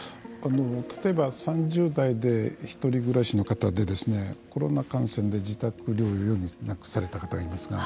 例えば３０代で１人暮らしの方でコロナ感染で自宅療養をされた方がいますが。